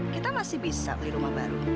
kita masih bisa beli rumah baru